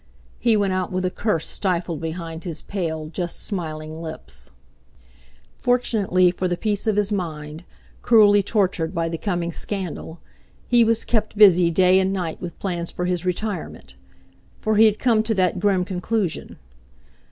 He went out with a curse stifled behind his pale, just smiling lips. Fortunately for the peace of his mind, cruelly tortured by the coming scandal, he was kept busy day and night with plans for his retirement—for he had come to that grim conclusion.